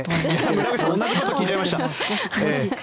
村口さんと同じこと聞いちゃいました。